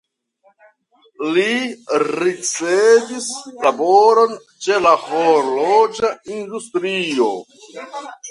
Li ricevis laboron ĉe la horloĝa industrio.